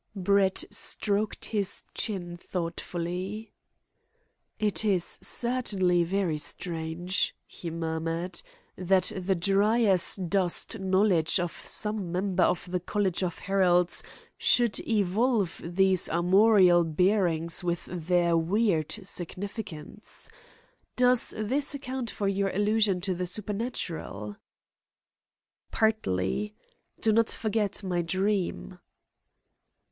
Brett stroked his chin thoughtfully. "It is certainly very strange," he murmured, "that the dry as dust knowledge of some member of the College of Heralds should evolve these armorial bearings with their weird significance. Does this account for your allusion to the supernatural?" "Partly. Do not forget my dream."